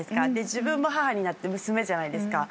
自分も母になって娘じゃないですか。